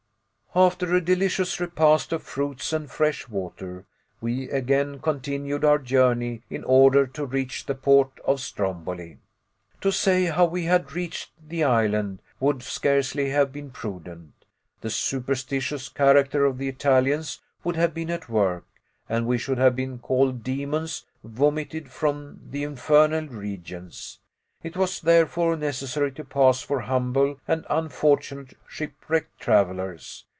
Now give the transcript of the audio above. After a delicious repast of fruits and fresh water, we again continued our journey in order to reach the port of Stromboli. To say how we had reached the island would scarcely have been prudent. The superstitious character of the Italians would have been at work, and we should have been called demons vomited from the infernal regions. It was therefore necessary to pass for humble and unfortunate shipwrecked travelers.